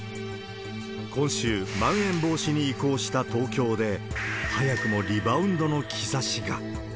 今週、まん延防止に移行した東京で、早くもリバウンドの兆しが。